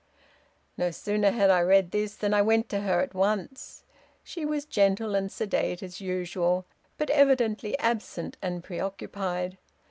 "No sooner had I read this than I went to her at once. She was gentle and sedate as usual, but evidently absent and preoccupied.